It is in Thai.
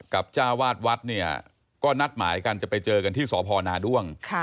จ้าวาดวัดเนี่ยก็นัดหมายกันจะไปเจอกันที่สพนาด้วง